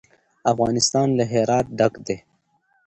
افغانستان له هرات ډک دی.